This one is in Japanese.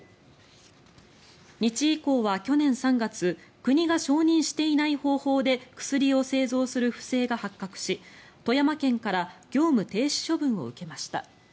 日医工は去年３月国が承認していない方法で薬を製造する不正が発覚し富山県から業務停止処分を受けました。